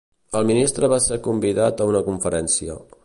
El ministre va ser convidat a una conferència